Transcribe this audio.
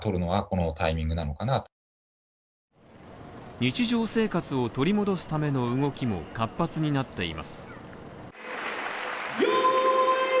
日常生活を取り戻すための動きも活発になっています。